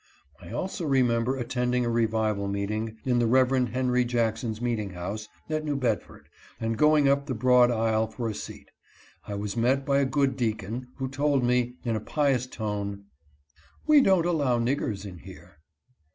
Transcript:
'''' I also remem ber attending a revival meeting in the Rev. Henry Jack son's meeting house, at New Bedford, and going up the broad aisle for a seat, I was met by a good deacon, who told me, in a pious tone, " We don't allow niggers in here."